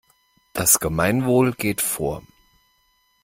Das Gemeinwohl geht vor.